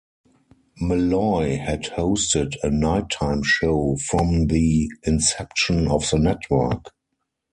Malloy had hosted a nighttime show from the inception of the network.